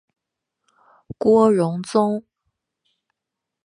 郭荣宗。